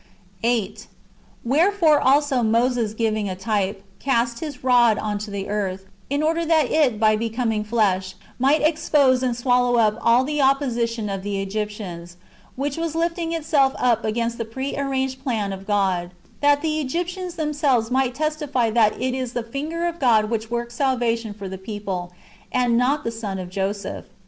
8. Wherefore also ^Moses giving a type, cast his rod upon the earth," in order that it, by becoming flesh, might expose and swallow up all the opposition of the Egyptians, which was lifting itself up agiiinst the pre arranged plan of God f that the Egyptians themselves might testify that it is the finger of God which works salvation for the people, and not the son of Joseph.